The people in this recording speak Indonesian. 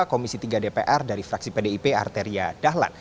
komisi tiga dpr dari fraksi pdip arteria dahlan